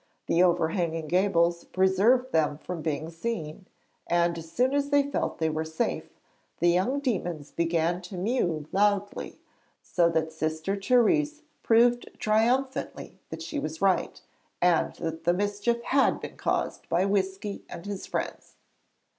The overhanging gables preserved them from being seen, and as soon as they felt they were safe, the young demons began to mew loudly, so that Sister Thérèse proved triumphantly that she was right, and that the mischief had been caused by Whisky and his friends!